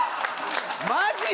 マジで？